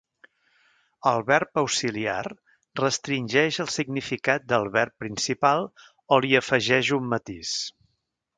El verb auxiliar restringeix el significat del verb principal o li afegeix un matís.